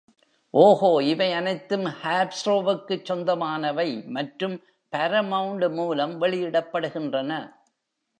ஓஹோ இவை அனைத்தும் ஹாஸ்ப்ரோவுக்குச் சொந்தமானவை மற்றும் பாரமவுண்ட் மூலம் வெளியிடப்படுகின்றன.